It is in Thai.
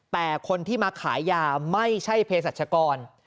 แต่คนที่มาขายยาไม่ใช่เพศรัชกร